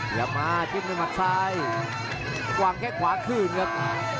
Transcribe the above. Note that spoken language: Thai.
อย่ามาจิ้มด้วยหมัดซ้ายกวางแค่ขวาคืนครับ